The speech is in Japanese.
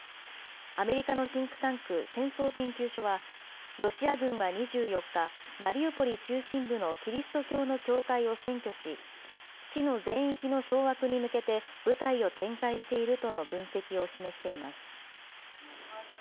アメリカのシンクタンク、戦争研究所は、ロシア軍は２４日、マリウポリ中心部のキリスト教の教会を占拠し、市の全域の掌握に向けて部隊を展開しているとの分析を示しています。